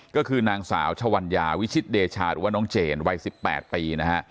ก็คือนางสาวชวัญญาวิชิตเดชาหรือว่าน้องเจนวัย๑๘ปีนะฮะ